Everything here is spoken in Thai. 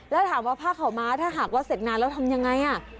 แล้วถามว่าผ้าข่าวม้าถ้าหากว่าเสร็จงานแล้วทำยังไง